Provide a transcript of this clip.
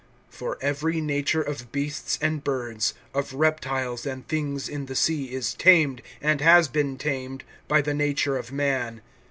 (7)For every nature of beasts and birds, of reptiles and things in the sea, is tamed, and has been tamed, by the nature of man.